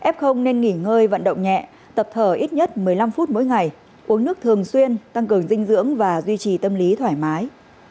f nên nghỉ ngơi vận động nhẹ tập thở ít nhất một mươi năm phút mỗi ngày uống nước thường xuyên tăng cường dinh dưỡng và duy trì tâm lý thoải mái